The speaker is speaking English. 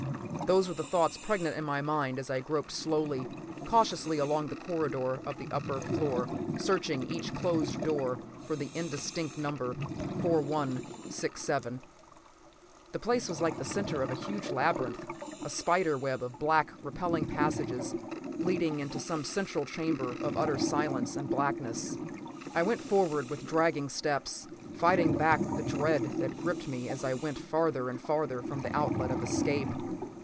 p> Those were the thoughts pregnant in my mind as I groped slowly, cautiously along the corridor of the upper floor, searching each closed door for the indistinct number 4167. The place was like the center of a huge labyrinth, a spider web of black, repelling passages, leading into some central chamber of utter silence and blackness. I went forward with dragging steps, fighting back the dread that gripped me as I went farther and farther from the outlet of escape.